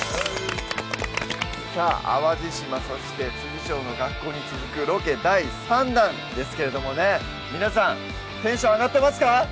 さぁ淡路島そして調の学校に続くロケ第３弾ですけれどもね皆さんテンション上がってますか？